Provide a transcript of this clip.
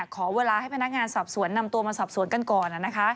ขอเวลาให้พนักงานสอบสวนนำตัวมาสอบสวนกันก่อน